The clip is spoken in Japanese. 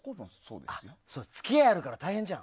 付き合いあるから大変じゃん。